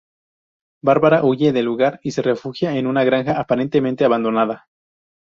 Barbara huye del lugar y se refugia en una granja aparentemente abandonada.